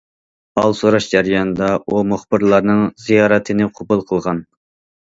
ھال سوراش جەريانىدا، ئۇ مۇخبىرلارنىڭ زىيارىتىنى قوبۇل قىلغان.